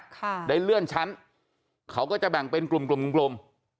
ค่ะได้เลื่อนชั้นเขาก็จะแบ่งเป็นกลุ่มกลุ่มกลุ่มกลุ่ม